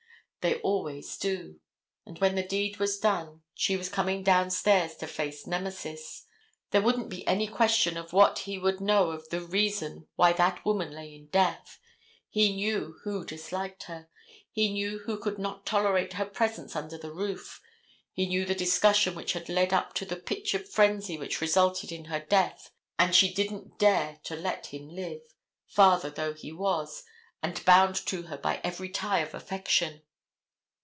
They always do. And when the deed was done she was coming downstairs to face Nemesis. There wouldn't be any question of what he would know of the reason why that woman lay in death. He knew who disliked her. He knew who could not tolerate her presence under the roof. He knew the discussion which had led up to the pitch of frenzy which resulted in her death, and she didn't dare to let him live, father though he was, and bound to her by every tie of affection.